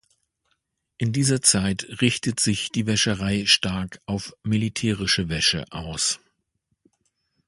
In dieser Zeit richtet sich die Wäscherei stark auf militärische Wäsche aus.